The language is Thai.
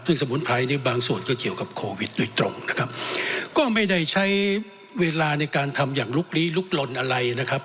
ซึ่งสมุนไพรเนี่ยบางส่วนก็เกี่ยวกับโควิดโดยตรงนะครับก็ไม่ได้ใช้เวลาในการทำอย่างลุกลี้ลุกลนอะไรนะครับ